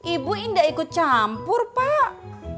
ibu ini tidak ikut campur pak